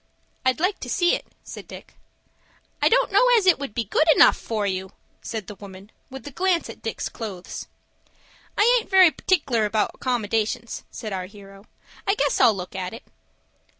"I'd like to see it," said Dick. "I don't know as it would be good enough for you," said the woman, with a glance at Dick's clothes. "I aint very partic'lar about accommodations," said our hero. "I guess I'll look at it."